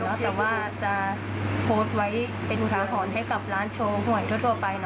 แต่ว่าจะโพสต์ไว้เป็นอุทาหรณ์ให้กับร้านโชว์หวยทั่วไป